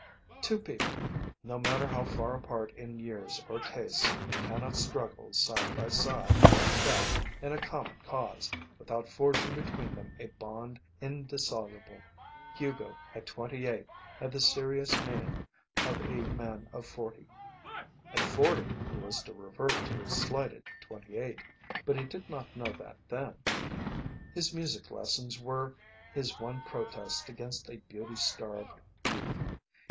Two people, no matter how far apart in years or tastes, cannot struggle side by side, like that, in a common cause, without forging between them a bond indissoluble. Hugo, at twenty eight, had the serious mien of a man of forty. At forty he was to revert to his slighted twenty eight, but he did not know that then. His music lessons were his one protest against a beauty starved youth.